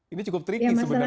ini cukup tricky sebenarnya